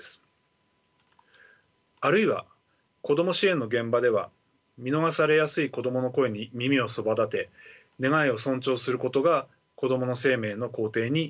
あるいは子ども支援の現場では見逃されやすい子どもの声に耳をそばだて願いを尊重することが子どもの生命の肯定になります。